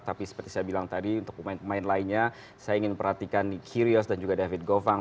tapi seperti saya bilang tadi untuk pemain pemain lainnya saya ingin perhatikan nick yos dan juga david govang